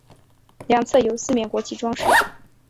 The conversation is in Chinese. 两侧有四面国旗装饰。